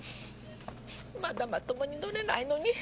まだまともに乗れないのに！